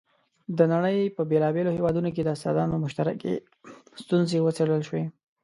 د نړۍ په بېلابېلو هېوادونو کې د استادانو مشترکې ستونزې وڅېړل شوې.